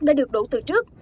đã được đổ từ trước